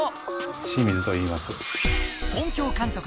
清水と言います。